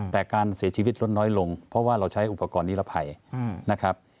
แต่การเสียชีวิตลดน้อยลงเพราะว่าเราใช้อุปกรณ์นิรภัยนะครับ